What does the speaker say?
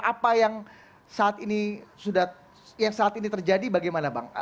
apa yang saat ini sudah yang saat ini terjadi bagaimana bang